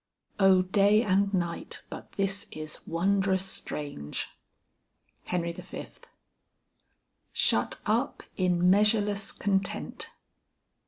Oh day and night, but this is wondrous strange." HENRY V. "Shut up in measureless content."